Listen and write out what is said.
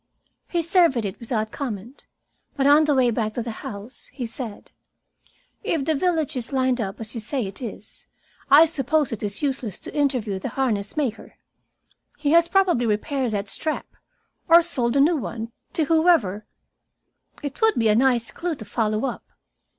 He surveyed it without comment, but on the way back to the house he said: "If the village is lined up as you say it is, I suppose it is useless to interview the harness maker. He has probably repaired that strap, or sold a new one, to whoever It would be a nice clue to follow up."